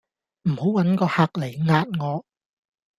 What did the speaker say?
唔好搵個客嚟壓我